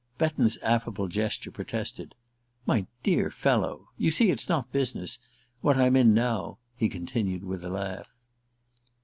Betton's affable gesture protested. "My dear fellow . You see it's not business what I'm in now," he continued with a laugh.